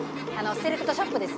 セレクトショップです